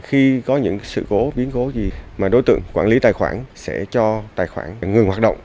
khi có những sự cố biến cố gì mà đối tượng quản lý tài khoản sẽ cho tài khoản ngừng hoạt động